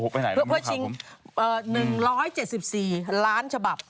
เพื่อชิง๑๗๔ล้านฉบับ